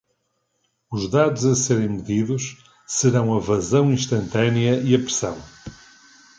Os dados a serem medidos serão a vazão instantânea e a pressão.